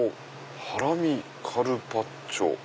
「ハラミカルパッチョ」。